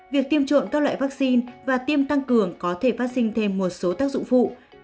việc tiêm trộn các loại vaccine và tiêm tăng cường có thể phát sinh thêm một số tác dụng phụ